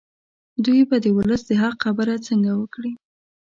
دوی به د ولس د حق خبره څنګه وکړي.